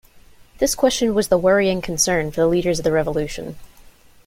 This question was the worrying concern for the leaders of the Revolution.